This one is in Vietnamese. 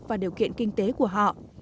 và điều kiện kinh tế của họ